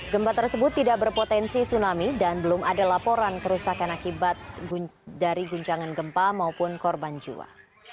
gempa tersebut tidak berpotensi tsunami dan belum ada laporan kerusakan akibat dari guncangan gempa maupun korban jiwa